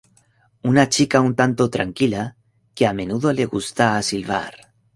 Una chica un tanto tranquila que a menudo le gusta a silbar.